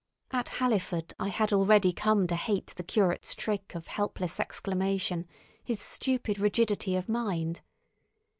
At Halliford I had already come to hate the curate's trick of helpless exclamation, his stupid rigidity of mind.